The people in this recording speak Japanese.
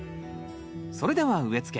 それでは植え付け。